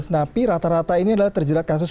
napi rata rata ini adalah terjerat kasus